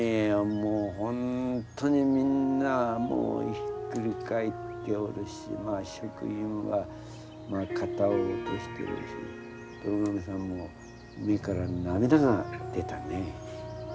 もう本当にみんなひっくり返っておるし職員は肩を落としているしどろ亀さんも目から涙が出たねえ。